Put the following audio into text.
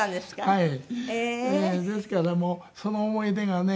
はい。